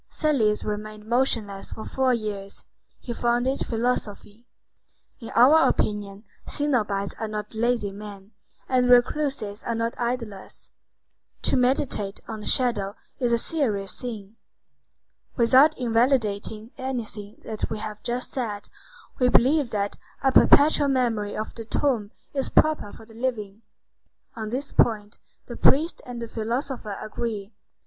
Thales remained motionless for four years. He founded philosophy. In our opinion, cenobites are not lazy men, and recluses are not idlers. To meditate on the Shadow is a serious thing. Without invalidating anything that we have just said, we believe that a perpetual memory of the tomb is proper for the living. On this point, the priest and the philosopher agree.